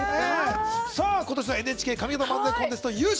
今年のＮＨＫ上方漫才コンテスト優勝。